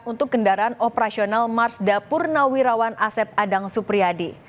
untuk kendaraan operasional mars dapur nawirawan asep adang supriyadi